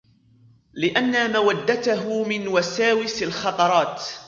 لِأَنَّ مَوَدَّتَهُ مِنْ وَسَاوِسِ الْخَطَرَاتِ